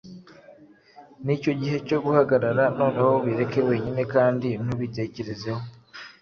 nicyo gihe cyo guhagarara. Noneho ubireke wenyine kandi ntubitekerezeho;